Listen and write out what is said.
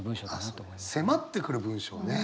迫ってくる文章ね。